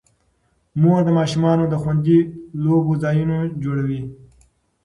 مور د ماشومانو د خوندي لوبو ځایونه جوړوي.